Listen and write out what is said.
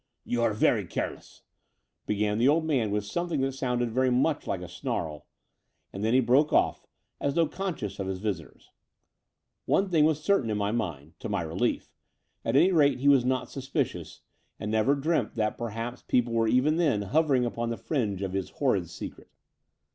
"You are very careless," began the old man with something that sounded very much like a snarl; and then he broke off, as though conscious of his visitors. One thing was certain in my mind — to my relief — at any rate he was not suspicious, and never dreamt that perhaps people were even then hover ing upon the fringe of his horrid secret.